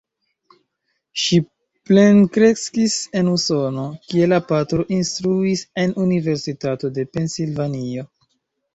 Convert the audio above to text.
Ŝi plenkreskis en Usono, kie la patro instruis en Universitato de Pensilvanio.